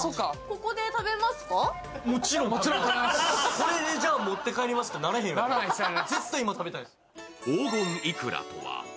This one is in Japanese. これで持って帰りますってならへんやろ。